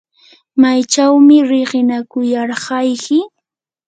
¿maychawmi riqinakuyarqayki?